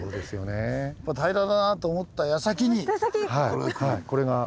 平らだなと思ったやさきにこれがくる。